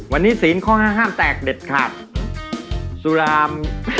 วันนี้ศีลข้อห้าห้ามแตกเด็ดขาดสุราม